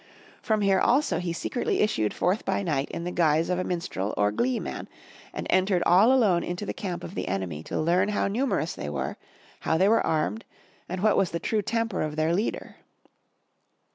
From here also he secretly issued forth by night in the guise of a minstrel or glee man, and entered all alone into the camp of the enemy to learn how numerous they were, how they were armed, and what was the true temper of their leader.